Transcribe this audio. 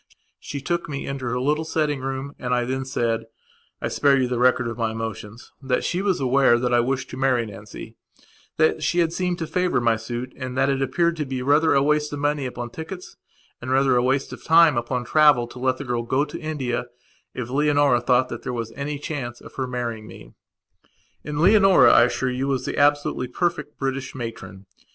She took me into her little sitting room and I then saidI spare you the record of my emotionsthat she was aware that I wished to marry Nancy; that she had seemed to favour my suit and that it appeared to be rather a waste of money upon tickets and rather a waste of time upon travel to let the girl go to India if Leonora thought that there was any chance of her marrying me. And Leonora, I assure you, was the absolutely perfect British matron.